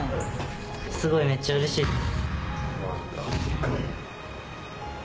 すごいめっちゃうれしいです。